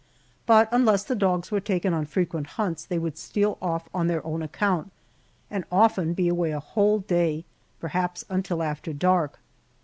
But unless the dogs were taken on frequent hunts, they would steal off on their own account and often be away a whole day, perhaps until after dark.